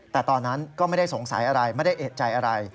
แต่ตอนนั้นก็ไม่ได้สงสัยอะไรไม่ได้เอกใจอะไร